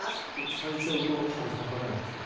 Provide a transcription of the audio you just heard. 咲いちゃうと春に咲かないんでしょ？